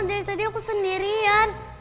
dari tadi aku sendirian